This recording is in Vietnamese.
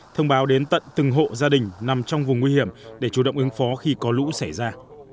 thông báo đến tận từng hộ gia đình nằm trong vùng nguy hiểm để chủ động ứng phó khi có lũ xảy ra